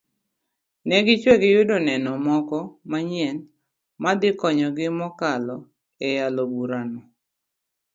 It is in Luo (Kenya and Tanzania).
negichwe giyudo neno moko manyien madhi konyogi mokalo eyalo burano